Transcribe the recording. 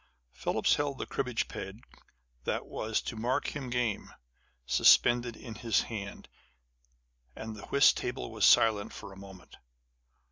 Phillips held the cribbage peg that was to mark him game, suspended in his hand ; and the whist table was silent for a moment.